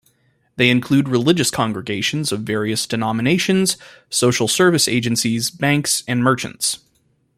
They include religious congregations of various denominations, social service agencies, banks, and merchants.